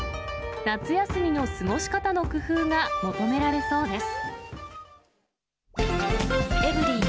夏休みの過ごし方の工夫が求められそうです。